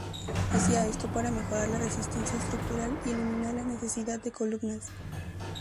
Hacía esto para mejorar la resistencia estructural y eliminar la necesidad de columnas.